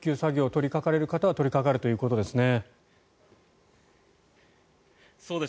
取りかかれる方は取りかかるということですね。